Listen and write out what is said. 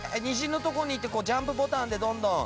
虹のとこに行ってジャンプボタンでどんどん。